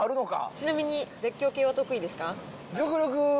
ちなみに絶叫系は得意ですか？